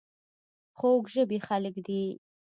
خوږ ژبې خلک دي .